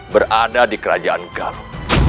berada di kerajaan galau